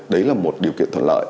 đó là một điều kiện thuận lợi